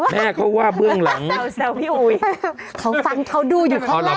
แม่เขาว่าเบื้องหลังเราแซวพี่อุ๋ยเขาฟังเขาดูอยู่ข้างหลัง